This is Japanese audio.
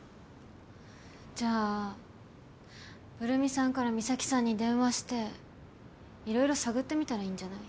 じゃあブル美さんから美咲さんに電話して色々探ってみたらいいんじゃない？